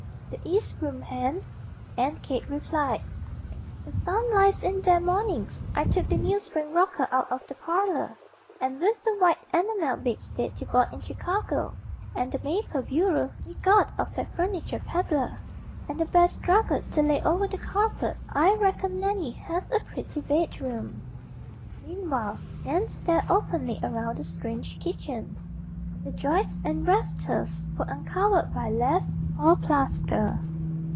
"The east room, Hen," Aunt Kate replied. "The sun lies in there mornings. I took the new spring rocker out of the parlor, and with the white enameled bedstead you bought in Chicago, and the maple bureau we got of that furniture pedlar, and the best drugget to lay over the carpet I reckon Nannie has a pretty bedroom." Meanwhile Nan stared openly around the strange kitchen. The joists and rafters were uncovered by laths or plaster.